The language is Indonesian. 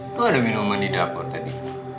itu ada minuman di dapur tadi